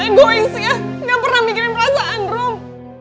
aku pernah mikirin perasaan rom